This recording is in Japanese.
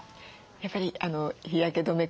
やっぱり日焼け止め